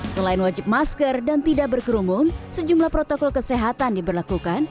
selain wajib masker dan tidak berkerumun sejumlah protokol kesehatan diberlakukan